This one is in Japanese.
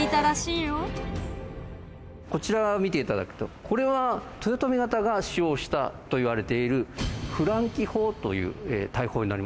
こちらを見て頂くとこれは豊臣方が使用したといわれているフランキ砲という大砲になります。